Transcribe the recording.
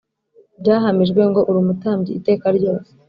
byahamijwe ngo uri umutambyi iteka ryose